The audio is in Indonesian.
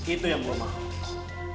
itu yang gue mau